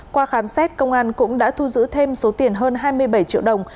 qua khám xét công an cũng đã thu giữ thêm số tiền hơn hai mươi bảy triệu đồng